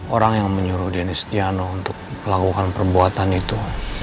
orang yang menyuruh diniz tiano untuk melakukan perbuatan itu